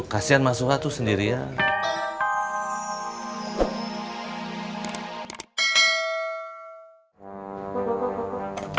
kasian masuha tuh sendirian